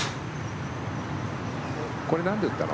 これ、なんで打ったの？